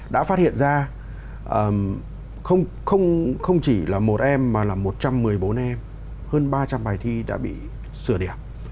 đã phát hiện ra không chỉ là một em mà là một trăm một mươi bốn em hơn ba trăm linh bài thi đã bị sửa điểm